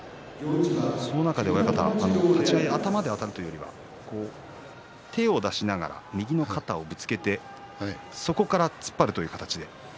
その中で親方、立ち合い頭であたるというよりは手を出しながら右の肩をぶつけてそこから突っ張るという形。